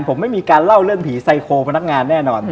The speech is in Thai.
ผมไม่มีการเล่าเรื่องผีไซโครพนักงานแน่นอน